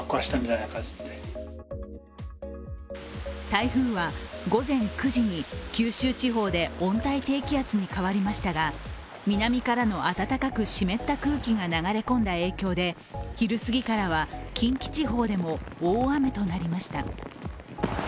台風は午前９時に九州地方で温帯低気圧に変わりましたが南からの暖かく湿った空気が流れ込んだ影響で昼過ぎからは近畿地方でも大雨となりました。